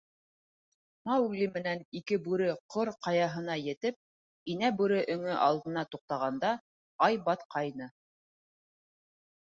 Маугли менән ике бүре Ҡор Ҡаяһына етеп, Инә Бүре өңө алдына туҡтағанда, ай батҡайны.